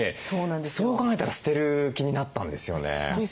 そう考えたら捨てる気になったんですよね。